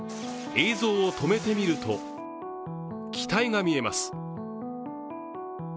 映像を止めてみると、機体が見えます。